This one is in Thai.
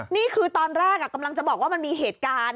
นี่คือตอนแรกกำลังจะบอกว่ามันมีเหตุการณ์